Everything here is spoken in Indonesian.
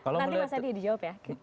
nanti mas adi dijawab ya